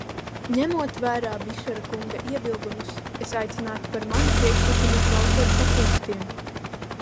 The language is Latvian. Ņemot vērā Bišera kunga iebildumus, es aicinātu par manu priekšlikumu balsot pa punktiem.